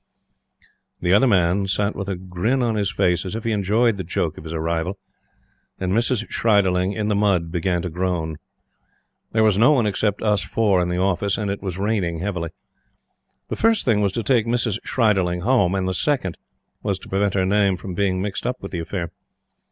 The Other Man sat with a grin on his face, as if he enjoyed the joke of his arrival; and Mrs. Schreiderling, in the mud, began to groan. There was no one except us four in the office and it was raining heavily. The first thing was to take Mrs. Schreiderling home, and the second was to prevent her name from being mixed up with the affair.